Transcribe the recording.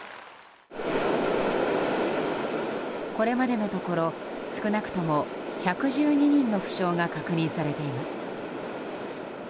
これまでのところ、少なくとも１１２人の負傷が確認されています。